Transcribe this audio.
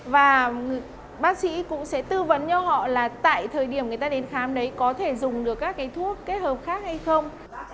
và bác sĩ cũng sẽ tư vấn cho họ là tại thời điểm người ta đến khám đấy có thể dùng được các cái thuốc kết hợp khác hay không